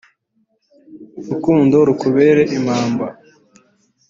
urukundo rukubere impamba